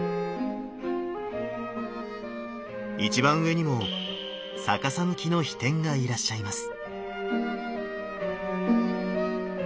一番上にも逆さ向きの飛天がいらっしゃいます。